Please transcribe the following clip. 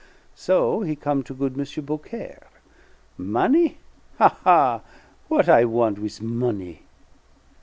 So he come' to good Monsieur Beaucaire. Money, ha, ha! What I want with money?"